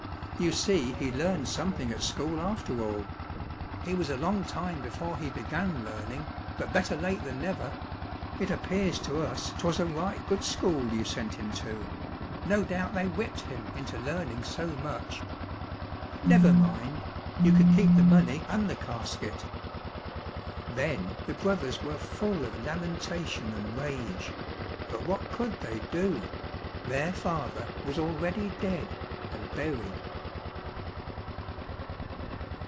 You see he learned something at school after all ! He was a long time before he began learning, but better late than never. It appears to us 'twas a right good school you sent him to. No doubt they whipped him into learning so much. Never mind, you can keep the money and the casket !" Then the brothers were full of lamentation and rage. But what could they do ? Their father was already dead and buried.